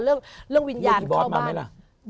เรื่องวิญญาณเข้าบ้านวิญญาณเข้าบ้านไหมล่ะ